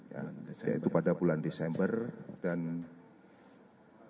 yaitu pada bulan desember dan dua puluh empat april